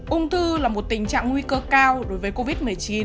ung thư là một tình trạng nguy cơ cao đối với covid một mươi chín